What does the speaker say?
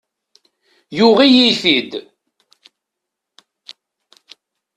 Yuɣ-iyi-t-id.